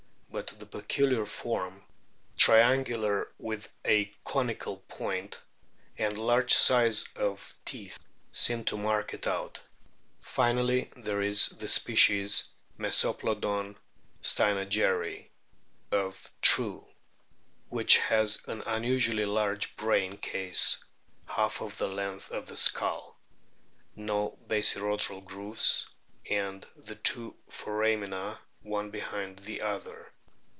But the peculiar form (triangular with a conical point) and large size of teeth seem to mark it out. Finally, there is the species Mesoplodon stejnegeri, of True,f which has an unusually large brain case (half the length of the skull) ; no basirostral grooves, and the two foramina one behind the other.